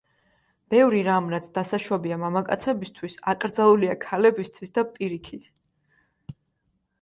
ბევრი რამ, რაც დასაშვებია მამაკაცებისთვის, აკრძალულია ქალებისთვის, და პირიქით.